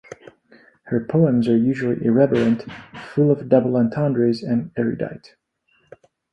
Her poems are usually irreverent, full of double entendres, and erudite.